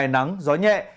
nắng gió nhẹ